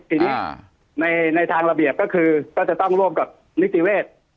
ทีนี้ในทางระเบียบก็คือก็จะต้องร่วมกับนิติเวศ